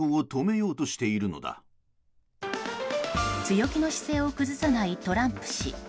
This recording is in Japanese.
強気の姿勢を崩さないトランプ氏。